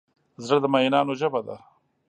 زړه د مینانو ژبه ده.